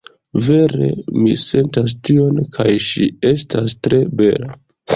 Vere, mi sentas tion, kaj ŝi estas tre bela